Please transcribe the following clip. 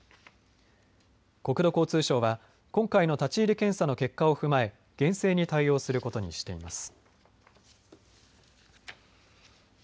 国土交通省は今回の立ち入り検査の結果を踏まえ厳正に対応することにしています。